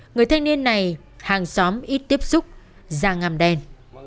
người thanh niên này hàng xóm ít tiếp xúc da ngam đen